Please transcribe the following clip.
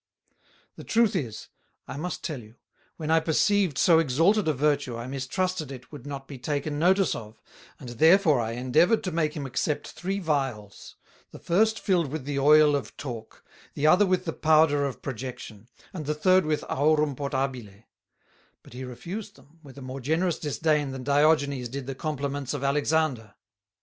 The Truth is, I must tell you, when I perceived so exalted a Virtue I mistrusted it would not be taken notice of, and therefore I endeavoured to make him accept Three Vials, the first filled with the Oyl of Talk, the other with the Powder of Projection, and the third with Aurum Potabile; but he refused them with a more generous Disdain than Diogenes did the Complements of Alexander.